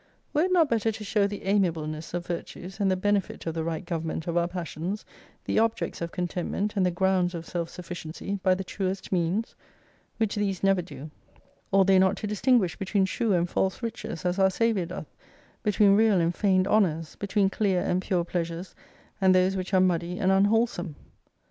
Were it not better to show the amiableness of virtues, and the benefit of the right government of our passions, the objects of con tentment, and the grounds of self sufficiency, by the truest means ? Which these never do. Ought they not to distinguish between true and false riches as our Saviour doth ; between real and feigned honours ; be tween clear and pure pleasures and those which are muddy and unwholesome